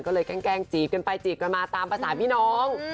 ก็เลยแกล้งจีบกันไปจีบกันมาตามภาษาพี่น้อง